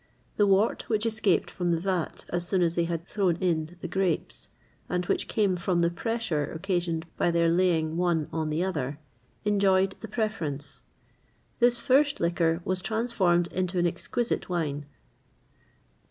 [XXVIII 48] The wort which escaped from the vat as soon as they had thrown in the grapes, and which came from the pressure occasioned by their laying one on the other, enjoyed the preference. This first liquor was transformed into an exquisite wine.